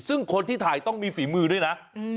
ซึ่งคนที่ถ่ายต้องมีฝีมือด้วยนะ